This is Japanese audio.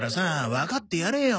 わかってやれよ。